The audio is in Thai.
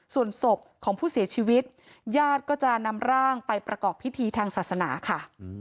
ส่วนศพของผู้เสียชีวิตญาติก็จะนำร่างไปประกอบพิธีทางศาสนาค่ะ